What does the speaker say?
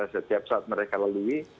setiap saat mereka lalui